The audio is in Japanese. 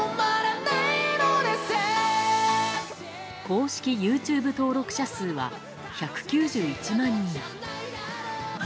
公式ＹｏｕＴｕｂｅ登録者数は１９１万人。